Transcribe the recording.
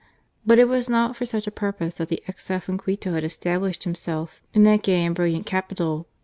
But it was not for such a purpose that the exile from Quito had established himself in that gay and brilliant capital.